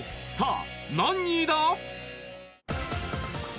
さあ何位だ？